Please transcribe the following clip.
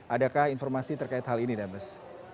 adakah informasi terkait hal ini demes